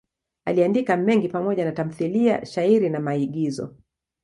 Aliandika mengi pamoja na tamthiliya, shairi na maigizo.